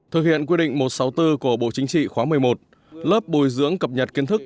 thực hiện quy định một trăm sáu mươi bốn của bộ chính trị khóa một mươi một lớp bồi dưỡng cập nhật kiến thức